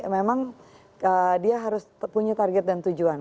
memang dia harus punya target dan tujuan